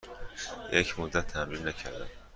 یک مدت تمرین نکردم.